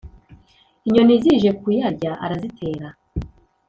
inyoni zije kuyarya arazitera